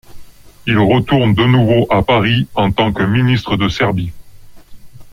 Il retourne de nouveau à Paris en tant que ministre de Serbie.